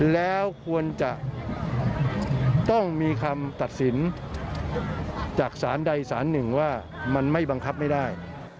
แล้วควรจะต้องมีคำตัดสินจากสารใดสารหนึ่งว่ามันไม่บังคับไม่ได้